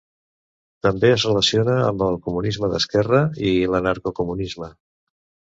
També es relaciona amb el comunisme d'esquerra i l'anarcocomunisme.